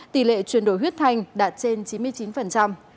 tỷ lệ chuyển đổi huyết thanh đạt trên chín mươi chín